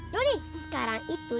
doni sekarang itu